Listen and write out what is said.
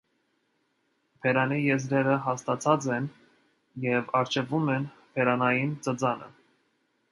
Բերանի եզրերը հաստացած են և առջևում են բերանային ծծանը։